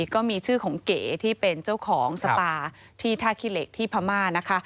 ก็มีชื่อของเก๋ที่เป็นเจ้าของสปาที่ท่าขี้เหล็กที่พม่านะคะ